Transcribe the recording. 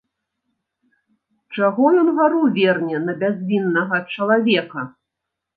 Чаго ён гару верне на бязвіннага чалавека?